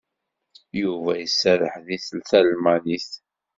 Yuba iserreḥ deg talmanit.